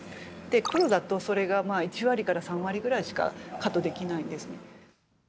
黒だと１割から３割くらいしかカットできないんですね。